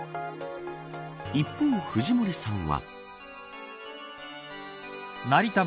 一方、藤森さんは。